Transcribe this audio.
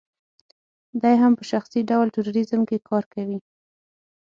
دی هم په شخصي ډول ټوریزم کې کار کوي.